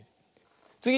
つぎ！